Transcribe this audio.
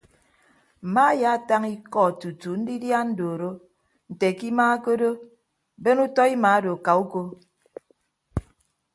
Mma ayaatañ iko tutu ndidia andooro nte ke ima ke odo ben utọ ima odo ka uko.